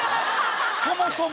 そもそも。